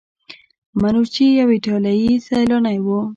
منوچي یو ایټالیایی سیلانی و.